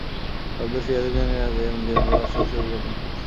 ভারতবর্ষ ইহাদের জন্য আজ এমন দীনভাবে অশৌচ যাপন করিতেছে।